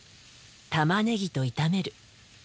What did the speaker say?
たまねぎと炒める。